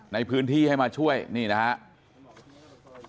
ในพื้นที่ให้มาช่วยนี่นะครับ